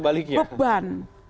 tapi kalau tidak beban